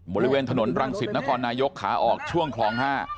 บริเวณถนนรังสิตนครนายกขาออกช่วงคลอง๕